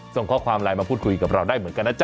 ส่งข้อความไลน์มาพูดคุยกับเราได้เหมือนกันนะจ๊